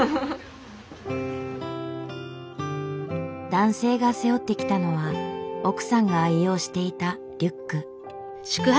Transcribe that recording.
男性が背負ってきたのは奥さんが愛用していたリュック。